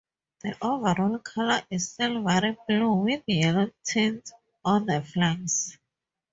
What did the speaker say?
The overall colour is silvery blue with yellow tints on the flanks.